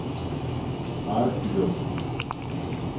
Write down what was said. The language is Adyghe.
Ар пилот.